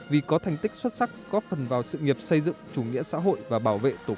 vì có thành tích xuất sắc góp phần vào sự nghiệp xây dựng chủ nghĩa xã hội và bảo vệ tổ quốc